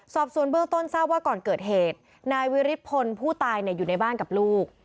สอบส่วนเบื้องต้นทราบว่าก่อนเกิดเหตุนายวิฤทธพลผู้ตายอยู่ในบ้านกับลูก